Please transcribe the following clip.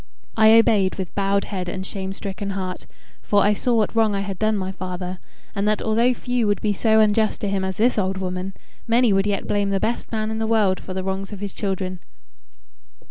I obeyed with bowed head and shame stricken heart, for I saw what wrong I had done my father, and that although few would be so unjust to him as this old woman, many would yet blame the best man in the world for the wrongs of his children.